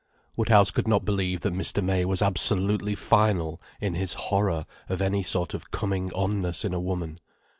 Woodhouse could not believe that Mr. May was absolutely final in his horror of any sort of coming on ness in a woman.